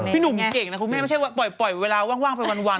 พี่หนุ่มเก่งนะคุณแม่ไม่ใช่ว่าปล่อยเวลาว่างไปวัน